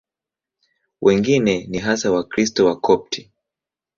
Wengine ni hasa Wakristo Wakopti.